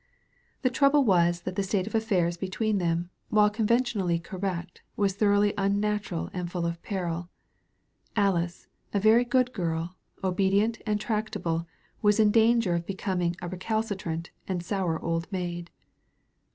The trouble was that the state of affairs between them, while conventionally correct, was thoroughly unnatural and full of peril. Alice, a very good girl, obedient and tractable, was in danger of be coming a recalcitrant and sour old maid.